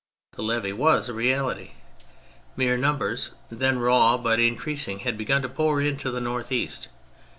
The levy was a reality. Mere numbers then raw, but in creasing, had begun to pour into the north east.